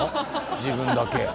自分だけ。